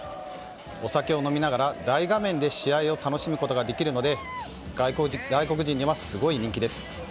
お酒を飲みながら大画面で試合を楽しむことができるので外国人には、すごい人気です。